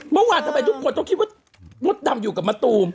เมื่อวานทำไมทุกคนต้องคิดว่ามดดำอยู่กับมะตูม